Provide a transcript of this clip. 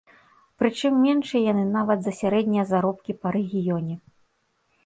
Прычым, меншыя яны нават за сярэднія заробкі па рэгіёне.